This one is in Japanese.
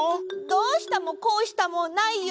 どうしたもこうしたもないよ！